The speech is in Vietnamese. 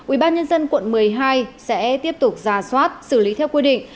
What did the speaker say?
ubnd quận một mươi hai sẽ tiếp tục giả soát xử lý theo quy định